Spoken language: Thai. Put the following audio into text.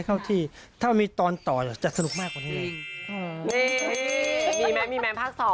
มีแมนท์มีแมนท์พัก๒